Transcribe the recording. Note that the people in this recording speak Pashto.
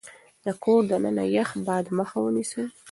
د کور دننه يخ باد مخه ونيسئ.